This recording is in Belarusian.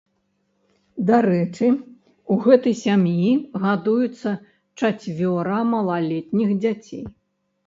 Дарэчы, у гэтай сям'і гадуецца чацвёра малалетніх дзяцей.